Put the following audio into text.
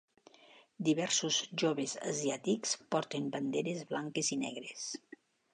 diversos joves asiàtics porten banderes blanques i negres